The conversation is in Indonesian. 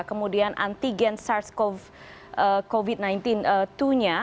kemudian antigen sars cov sembilan belas dua nya